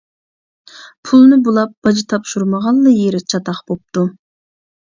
پۇلنى بۇلاپ باج تاپشۇرمىغانلا يېرى چاتاق بوپتۇ.